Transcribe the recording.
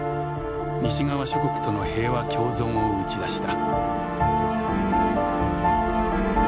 西側諸国との平和共存を打ち出した。